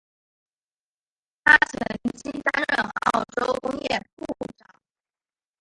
他曾经担任澳洲工业部长。